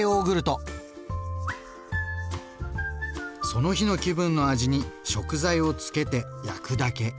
その日の気分の味に食材を漬けて焼くだけ。